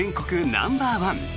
ナンバーワン。